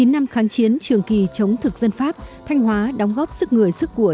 chín năm kháng chiến trường kỳ chống thực dân pháp thanh hóa đóng góp sức người sức của